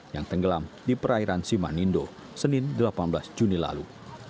yang tenggelam di perairan simanindo senin delapan belas juni lalu